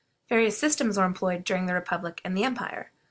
Various systems were employed during the Republic and the Empire.